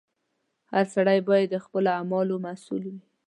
• هر سړی باید د خپلو اعمالو مسؤل وي.